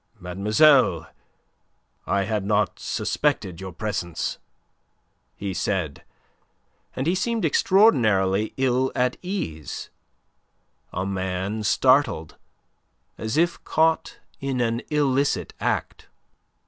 "Mademoiselle, I had not suspected your presence," he said, and he seemed extraordinarily ill at ease, a man startled, as if caught in an illicit act.